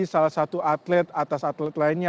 salah satu atlet atas atlet lainnya